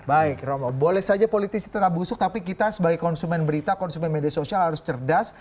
baik romo boleh saja politisi tetap busuk tapi kita sebagai konsumen berita konsumen media sosial harus cerdas